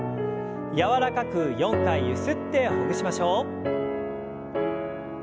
柔らかく４回ゆすってほぐしましょう。